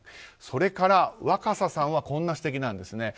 それから、若狭さんはこんな指摘です。